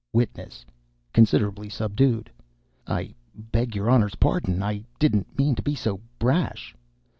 WITNESS. (Considerably subdued.) "I beg your Honor's pardon I didn't mean to be so brash.